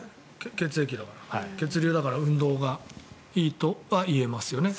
血流だから運動がいいとはいえますよね。